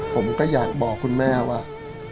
ผมก็อยากบอกคุณแม่ว่า